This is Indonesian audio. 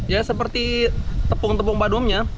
ya seperti tepung tepung badungnya